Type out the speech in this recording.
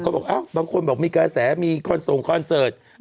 บางคนบอกมีกาแสมีเพิร์ตสงสัย